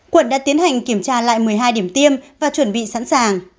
quận đã tiến hành kiểm tra lại một mươi hai điểm tiêm và chuẩn bị sẵn sàng